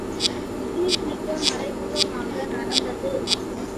இது மிக மறைமுகமாக நடந்தது.